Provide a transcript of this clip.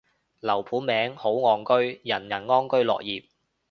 樓盤名，好岸居，人人安居樂業